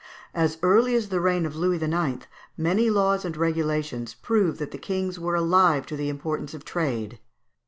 As early as the reign of Louis IX. many laws and regulations prove that the kings were alive to the importance of trade.